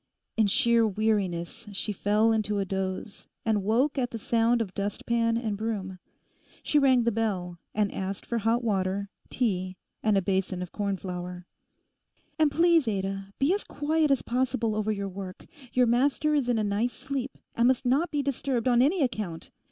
In sheer weariness she fell into a doze, and woke at the sound of dustpan and broom. She rang the bell, and asked for hot water, tea, and a basin of cornflour. 'And please, Ada, be as quiet as possible over your work; your master is in a nice sleep, and must not be disturbed on any account.